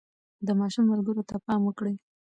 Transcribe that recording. د ماشوم ملګرو ته پام وکړئ.